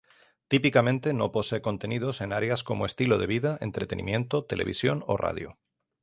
Típicamente no posee contenidos en áreas como estilo de vida, entretenimiento, televisión o radio.